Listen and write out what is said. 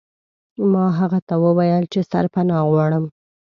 ما هغه ته وویل چې سرپناه غواړم.